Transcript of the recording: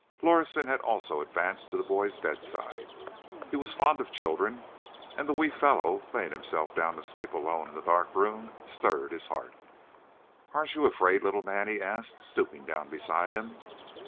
Lorison had also advanced to the boy's bedside. He was fond of children; and the wee fellow, laying himself down to sleep alone in that dark room, stirred his heart. "Aren't you afraid, little man?" he asked, stooping down beside him.